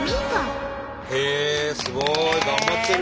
すごい！頑張ってる！